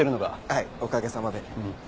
はいおかげさまで。